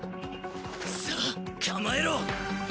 さあ構えろ！